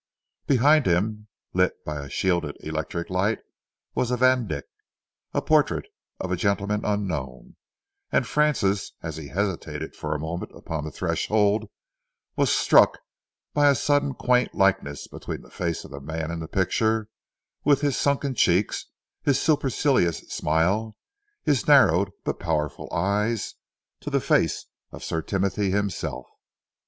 Behind him, lit by a shielded electric light, was a Vandyck, "A Portrait of a Gentleman Unknown," and Francis, as he hesitated for a moment upon the threshold, was struck by a sudden quaint likeness between the face of the man in the picture, with his sunken cheeks, his supercilious smile, his narrowed but powerful eyes, to the face of Sir Timothy himself.